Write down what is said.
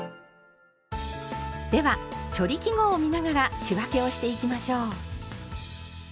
では「処理記号」を見ながら仕分けをしていきましょう。